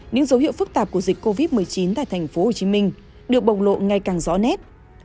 những dấu hiệu phức tạp của dịch covid một mươi chín tại tp hcm được bộc lộ ngày càng rõ nét